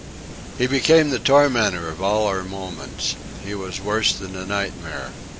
He became the tormentor of all our moments; he was worse than a nightmare.